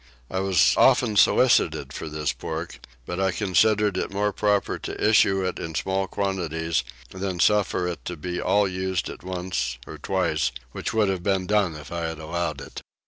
I was often solicited for this pork, but I considered it more proper to issue it in small quantities than to suffer it to be all used at once or twice, which would have been done if I had allowed it.